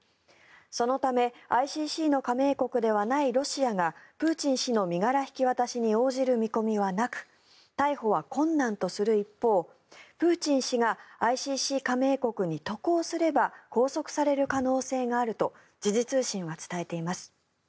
そのためＩＣＣの加盟国ではないロシアがプーチン氏の身柄引き渡しに応じる見込みはなく逮捕は困難とする一方プーチン氏がＩＣＣ加盟国に渡航すれば拘束される可能性があると時事通信は伝えています。